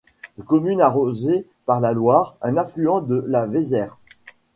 Commune arrosée par la Loyre, un affluent de la Vézère.